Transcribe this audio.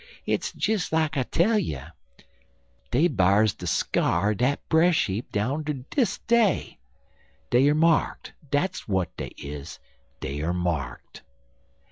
Hit's des like I tell you. Dey b'ars de skyar er dat bresh heap down ter dis day. Dey er marked dat's w'at dey is dey er marked."